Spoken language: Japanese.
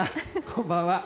こんばんは。